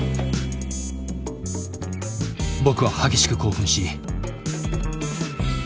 僕は激しく興奮し。